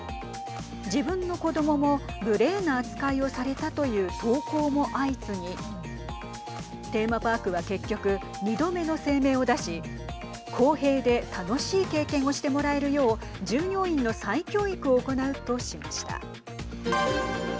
自分の子どもも無礼な扱いをされたという投稿も相次ぎテーマパークは結局２度目の声明を出し公平で楽しい経験をしてもらえるよう従業員の再教育を行うとしました。